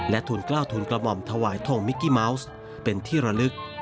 ทุนกล้าวทุนกระหม่อมถวายทงมิกกี้เมาส์เป็นที่ระลึก